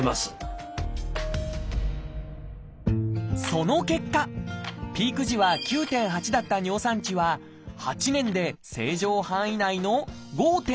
その結果ピーク時は９．８だった尿酸値は８年で正常範囲内の５．０に下がったのです！